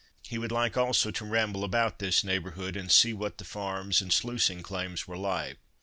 He would like also to ramble about this neighbourhood, and see what the farms and sluicing claims were like.